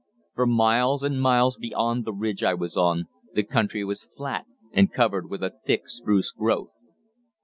For miles and miles beyond the ridge I was on, the country was flat and covered with a thick spruce growth.